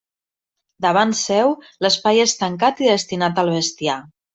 Davant seu, l'espai és tancat i destinat al bestiar.